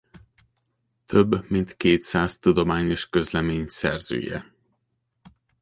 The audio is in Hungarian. Több mint kétszáz tudományos közlemény szerzője.